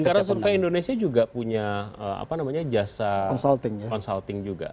lingkaran survei indonesia juga punya jasa consulting juga